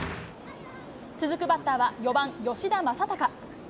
続くバッターは４番吉田正尚。